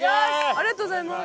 ありがとうございます。